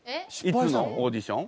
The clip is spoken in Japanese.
いつのオーディション？